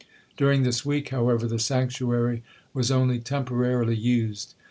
During this week, however, the sanctuary was only temporarily used.